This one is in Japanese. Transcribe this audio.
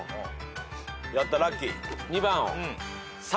やったラッキー。